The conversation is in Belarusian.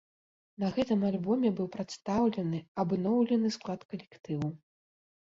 На гэтым альбоме быў прадстаўлены абноўлены склад калектыву.